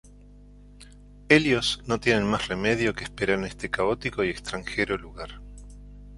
Ellos no tienen más remedio que esperar en este caótico y extranjero lugar.